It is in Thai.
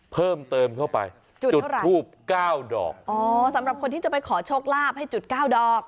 เพิ่มเติมเข้าไปจุดทูบเก้าดอกอ๋อสำหรับคนที่จะไปขอโชคลาภให้จุดเก้าดอก